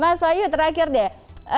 mas wanyu terakhir deh